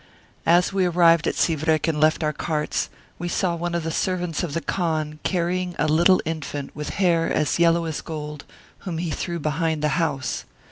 As we arrived at Sivrek and left our carts, we sa*.v one of the servants of the khan carrying a little infant with hair as yellow as gold, whom he threw behind the house.